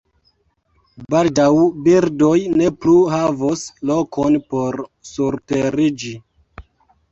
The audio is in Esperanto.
Baldaŭ, birdoj ne plu havos lokon por surteriĝi.